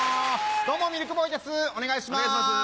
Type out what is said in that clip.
どうもミルクボーイですお願いします。